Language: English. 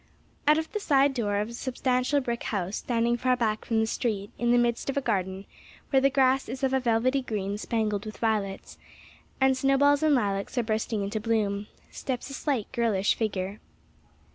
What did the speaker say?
Out of the side door of a substantial brick house standing far back from the street, in the midst of a garden where the grass is of a velvety green spangled with violets, and snowballs and lilacs are bursting into bloom, steps a slight girlish figure.